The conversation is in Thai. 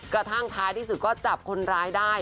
กระทั่งท้ายที่สุดก็จับคนร้ายได้